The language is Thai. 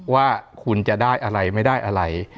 ว่าคุณจะได้อะไรไม่ได้อะไร